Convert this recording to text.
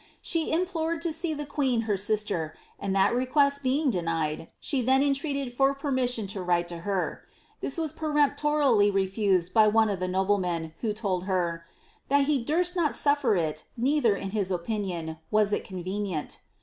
She implored to see the queen her sister, and that request being denied, she then entreated for permission to write to her. This was peremptorily refused by one of the noblemen, who told her ^ that he (hirst not sufier it, neither, in his opinion, was it convenient."